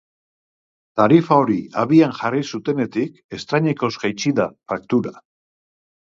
Tarifa hori abian jarri zutenetik estreinakoz jaitsiko da faktura.